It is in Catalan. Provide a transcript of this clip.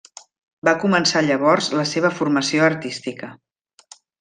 Va començar llavors la seva formació artística.